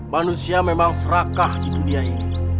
manusia memang serakah di dunia ini